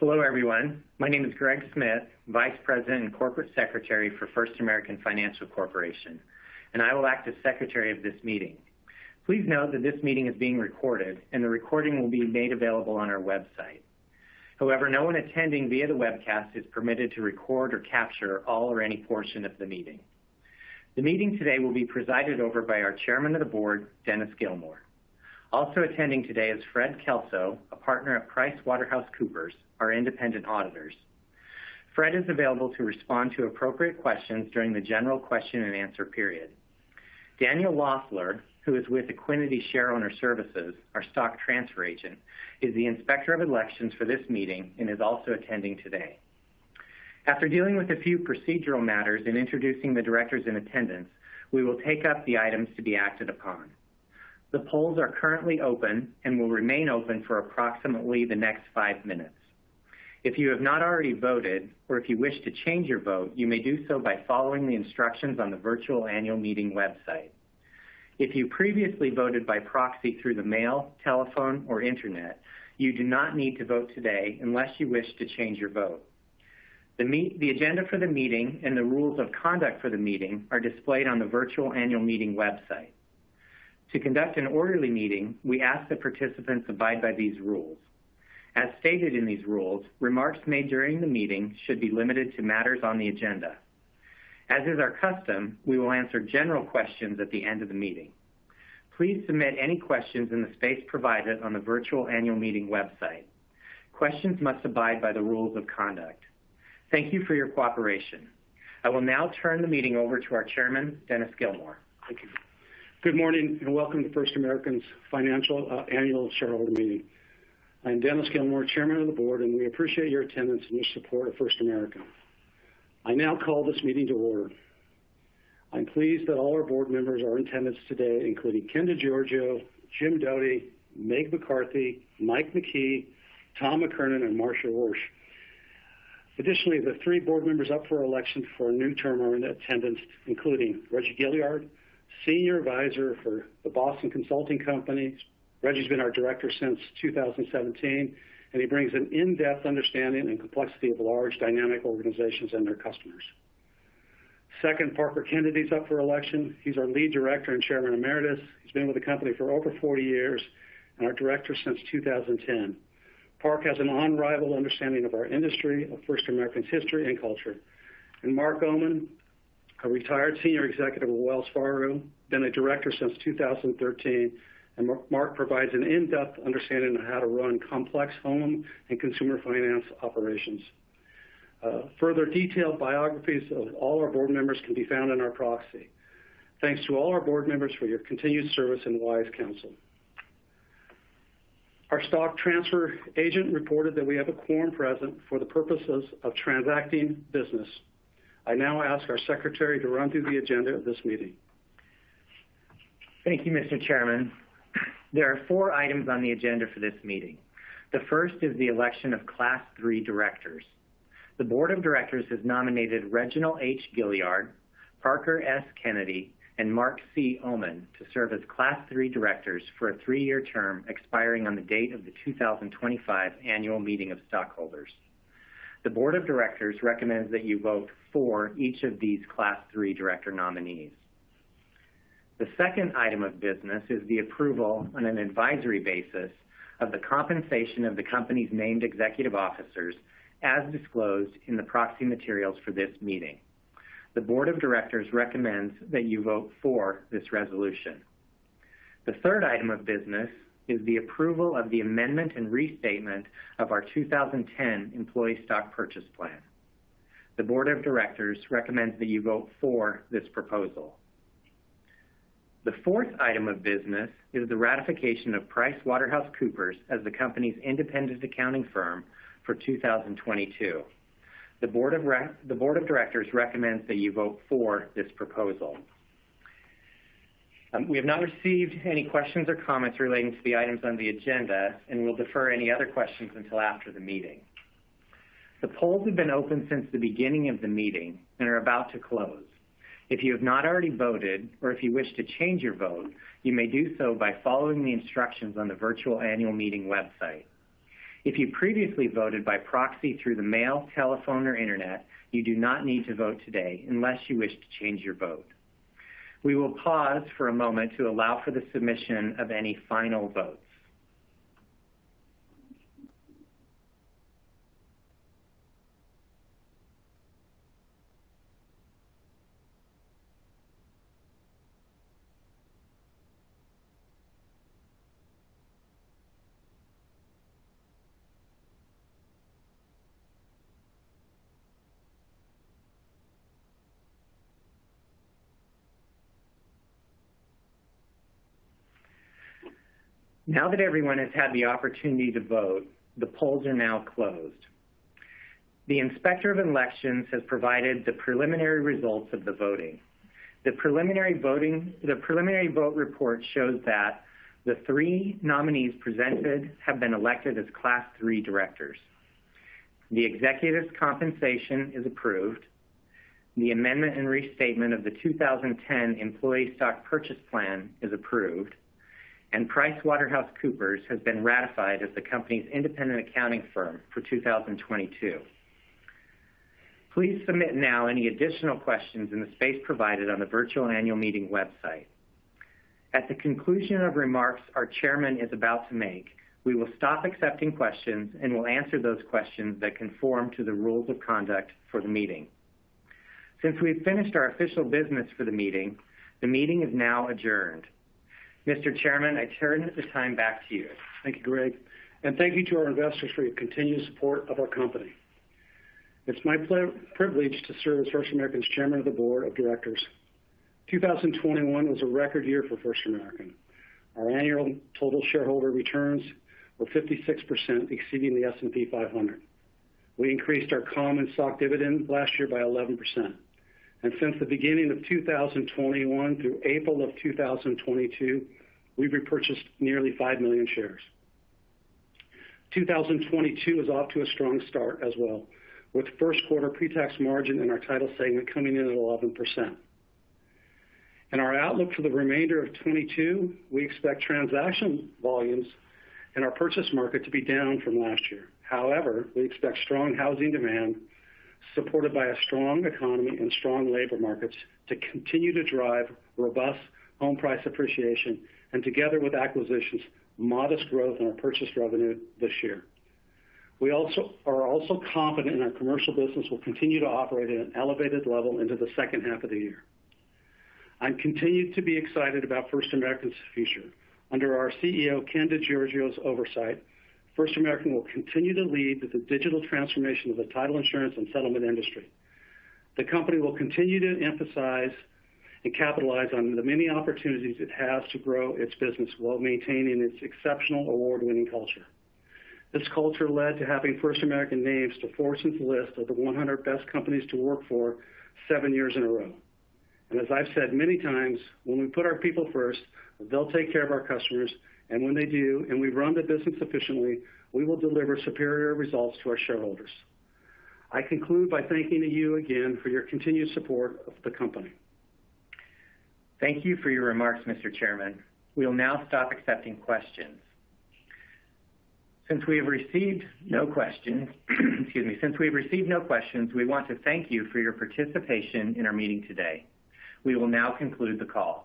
Hello everyone. My name is Greg Smith, Vice President and Corporate Secretary for First American Financial Corporation, and I will act as secretary of this meeting. Please note that this meeting is being recorded and the recording will be made available on our website. However, no one attending via the webcast is permitted to record or capture all or any portion of the meeting. The meeting today will be presided over by our Chairman of the Board, Dennis Gilmore. Also attending today is Fred Kelso, a partner at PricewaterhouseCoopers, our independent auditors. Fred is available to respond to appropriate questions during the general question and answer period. Daniel Wassler, who is with Equiniti Shareowner Services, our stock transfer agent, is the Inspector of Elections for this meeting and is also attending today. After dealing with a few procedural matters in introducing the directors in attendance, we will take up the items to be acted upon. The polls are currently open and will remain open for approximately the next five minutes. If you have not already voted or if you wish to change your vote, you may do so by following the instructions on the virtual annual meeting website. If you previously voted by proxy through the mail, telephone, or internet, you do not need to vote today unless you wish to change your vote. The agenda for the meeting and the rules of conduct for the meeting are displayed on the virtual annual meeting website. To conduct an orderly meeting, we ask that participants abide by these rules. As stated in these rules, remarks made during the meeting should be limited to matters on the agenda. As is our custom, we will answer general questions at the end of the meeting. Please submit any questions in the space provided on the virtual annual meeting website. Questions must abide by the rules of conduct. Thank you for your cooperation. I will now turn the meeting over to our Chairman, Dennis Gilmore. Thank you. Good morning and welcome to First American Financial's annual shareholder meeting. I'm Dennis Gilmore, Chairman of the Board, and we appreciate your attendance and your support of First American. I now call this meeting to order. I'm pleased that all our board members are in attendance today, including Ken DeGiorgio, Jim Doti, Meg McCarthy, Mike McKee, Tom McKernan, and Marsha Spence. Additionally, the three board members up for election for a new term are in attendance, including Reggie Gilyard, Senior Advisor for the Boston Consulting Group. Reggie's been our director since 2017, and he brings an in-depth understanding and complexity of large dynamic organizations and their customers. Second, Parker Kennedy's up for election. He's our Lead Director and Chairman Emeritus. He's been with the company for over 40 years and our director since 2010. Parker has an unrivaled understanding of our industry, of First American's history and culture. Mark Oman, a retired senior executive of Wells Fargo, been a director since 2013. Mark provides an in-depth understanding of how to run complex home and consumer finance operations. Further detailed biographies of all our board members can be found in our proxy. Thanks to all our board members for your continued service and wise counsel. Our stock transfer agent reported that we have a quorum present for the purposes of transacting business. I now ask our secretary to run through the agenda of this meeting. Thank you, Mr. Chairman. There are four items on the agenda for this meeting. The first is the election of Class Three directors. The board of directors has nominated Reginald H. Gilyard, Parker S. Kennedy, and Mark C. Oman to serve as Class Three directors for a three-year term expiring on the date of the 2025 annual meeting of stockholders. The board of directors recommends that you vote for each of these Class Three director nominees. The second item of business is the approval on an advisory basis of the compensation of the company's named executive officers as disclosed in the proxy materials for this meeting. The board of directors recommends that you vote for this resolution. The third item of business is the approval of the amendment and restatement of our 2010 Employee Stock Purchase Plan. The board of directors recommends that you vote for this proposal. The fourth item of business is the ratification of PricewaterhouseCoopers as the company's independent accounting firm for 2022. The board of directors recommends that you vote for this proposal. We have not received any questions or comments relating to the items on the agenda, and we'll defer any other questions until after the meeting. The polls have been open since the beginning of the meeting and are about to close. If you have not already voted or if you wish to change your vote, you may do so by following the instructions on the virtual annual meeting website. If you previously voted by proxy through the mail, telephone or internet, you do not need to vote today unless you wish to change your vote. We will pause for a moment to allow for the submission of any final votes. Now that everyone has had the opportunity to vote, the polls are now closed. The inspector of elections has provided the preliminary results of the voting. The preliminary vote report shows that the three nominees presented have been elected as Class three directors. The executives' compensation is approved. The amendment and restatement of the 2010 Employee Stock Purchase Plan is approved. PricewaterhouseCoopers has been ratified as the company's independent accounting firm for 2022. Please submit now any additional questions in the space provided on the virtual annual meeting website. At the conclusion of remarks our chairman is about to make, we will stop accepting questions and we'll answer those questions that conform to the rules of conduct for the meeting. Since we've finished our official business for the meeting, the meeting is now adjourned. Mr. Chairman, I turn at this time back to you. Thank you, Greg, and thank you to our investors for your continued support of our company. It's my privilege to serve as First American's Chairman of the board of directors. 2021 was a record year for First American. Our annual total shareholder returns were 56% exceeding the S&P 500. We increased our common stock dividend last year by 11%. Since the beginning of 2021 through April of 2022, we've repurchased nearly 5 million shares. 2022 is off to a strong start as well, with first quarter pre-tax margin in our title segment coming in at 11%. In our outlook for the remainder of 2022, we expect transaction volumes in our purchase market to be down from last year. However, we expect strong housing demand, supported by a strong economy and strong labor markets to continue to drive robust home price appreciation, and together with acquisitions, modest growth in our purchase revenue this year. We are also confident our commercial business will continue to operate at an elevated level into the second half of the year. I continue to be excited about First American's future. Under our CEO, Ken DeGiorgio's oversight, First American will continue to lead the digital transformation of the title insurance and settlement industry. The company will continue to emphasize and capitalize on the many opportunities it has to grow its business while maintaining its exceptional award-winning culture. This culture led to having First American named to Fortune's 100 Best Companies to Work For seven years in a row. As I've said many times, when we put our people first, they'll take care of our customers, and when they do, and we run the business efficiently, we will deliver superior results to our shareholders. I conclude by thanking you again for your continued support of the company. Thank you for your remarks, Mr. Chairman. We'll now stop accepting questions. Since we've received no questions, we want to thank you for your participation in our meeting today. We will now conclude the call.